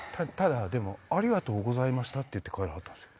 でも「ありがとうございました」言って帰らはったんですよ。